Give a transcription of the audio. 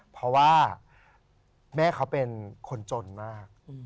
เพราะว่าแม่เขาเป็นคนจนมาก